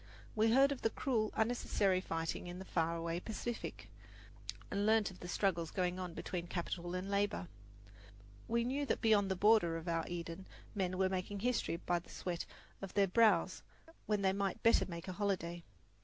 We heard of the cruel, unnecessary fighting in the far away Pacific, and learned of the struggles going on between capital and labour. We knew that beyond the border of our Eden men were making history by the sweat of their brows when they might better make a holiday.